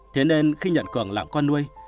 thế nên khi nhận cường làm con nuôi